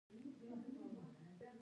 د دې سره به ئې د ملا پټې قوي شي